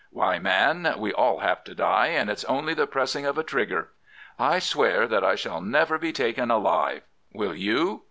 "'Why, man, we all have to die, and it's only the pressing of a trigger. I swear that I shall never be taken alive. Will you?